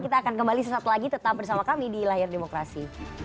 kita akan kembali sesaat lagi tetap bersama kami di layar demokrasi